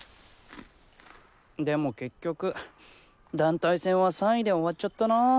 でも結局団体戦は３位で終わっちゃったな。